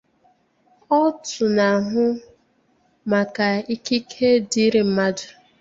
òtù na-ahụ maka ikike dịịrị mmadụ